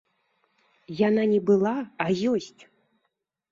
Яна не была, а ёсць.